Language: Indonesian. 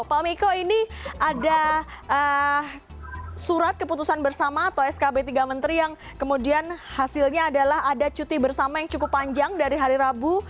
pak miko ini ada surat keputusan bersama atau skb tiga menteri yang kemudian hasilnya adalah ada cuti bersama yang cukup panjang dari hari rabu